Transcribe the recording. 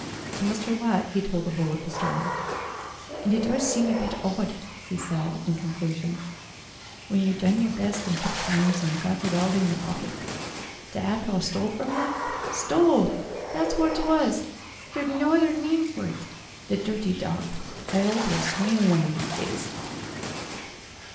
To Mr. Watt he told the whole of his story. "And it does seem a bit 'awd," he said, in conclu sion; "when yer done yer best an' took pines, an' got it all in yer pocket, ter 'ave it stole from yer. Stole thet's whort it was ; theer's no other nime fur it. The dirty dog, I 'ope 'e'll swing one o' these days